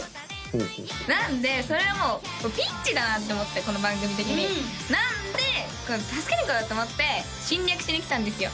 ほうほうなんでそれはもうピンチだなって思ってこの番組的になんで助けにいこうと思って侵略しに来たんですよ